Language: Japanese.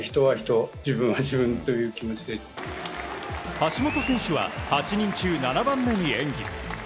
橋本選手は８人中７番目に演技。